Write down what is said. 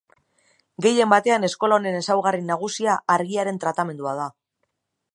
Gehien batean eskola honen ezaugarri nagusia argiaren tratamendua da.